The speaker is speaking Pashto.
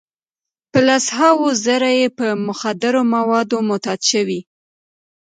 په لس هاوو زره یې په مخدره موادو معتاد شوي.